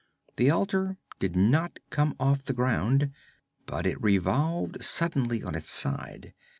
The altar did not come off the ground, but it revolved suddenly on its side.